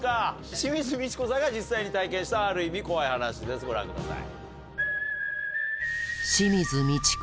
清水ミチコさんが実際に体験したある意味怖い話ですご覧ください。